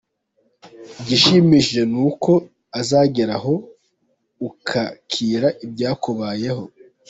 Igishimishije ni uko uzageraho ukakira ibyakubayeho.